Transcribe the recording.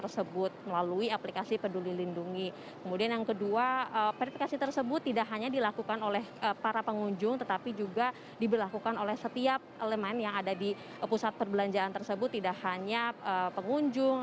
setiap elemen yang ada di pusat perbelanjaan tersebut tidak hanya pengunjung